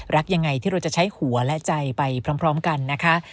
รักยังไงที่เราจะใช้หัวและใจไปพร้อมกันนะคะ